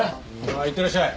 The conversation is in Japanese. いってらっしゃい。